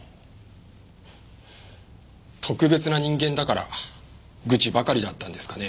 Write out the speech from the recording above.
特別な人間だから愚痴ばかりだったんですかね。